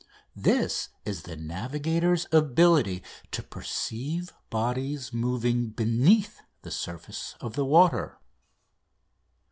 This is its navigator's ability to perceive bodies moving beneath the surface of the water.